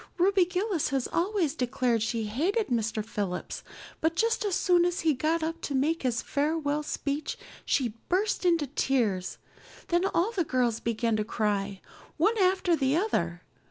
Ruby Gillis has always declared she hated Mr. Phillips, but just as soon as he got up to make his farewell speech she burst into tears. Then all the girls began to cry, one after the other.